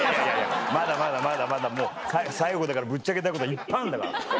まだまだまだまだもう最後だからぶっちゃけたいことがいっぱいあるんだから。